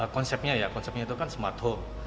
konsepnya ya konsepnya itu kan smart home